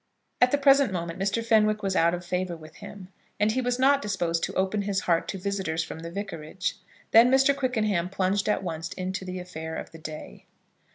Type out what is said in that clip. At the present moment Mr. Fenwick was out of favour with him, and he was not disposed to open his heart to visitors from the Vicarage. Then Mr. Quickenham plunged at once into the affair of the day.